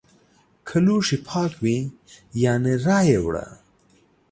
که لوښي پاک وي یا نه رایې وړه!